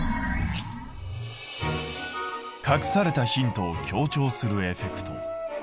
隠されたヒントを強調するエフェクト。